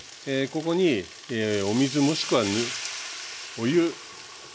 ここにお水もしくはお湯。